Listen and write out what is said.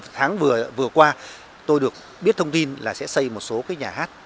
tháng vừa qua tôi được biết thông tin là sẽ xây một số cái nhà hát cho các nhà hát